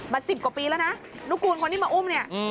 สิบกว่าปีแล้วนะนุกูลคนที่มาอุ้มเนี่ย